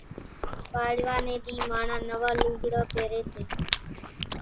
پاڙِوا ني ۮِي ماڻۿان نوان لوڳڙان پيري سي۔